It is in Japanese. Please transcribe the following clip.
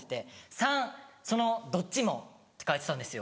「３そのどっちも」って書いてたんですよ。